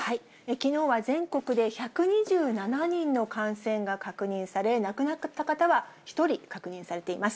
きのうは全国で１２７人の感染が確認され、亡くなった方は１人確認されています。